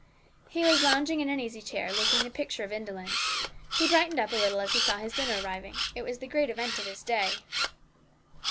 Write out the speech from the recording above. He was lounging in an easy chair, looking the picture of indolence. He brightened up a little as he saw his dinner arriving it was the great event of his day.